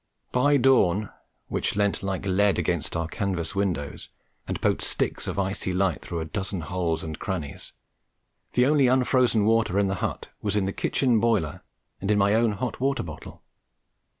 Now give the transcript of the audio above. By dawn, which leant like lead against our canvas windows, and poked sticks of icy light through a dozen holes and crannies, the only unfrozen water in the hut was in the kitchen boiler and in my own hot water bottle.